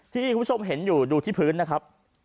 ที่คุณผู้ชมเห็นอยู่ดูที่พื้นนะครับ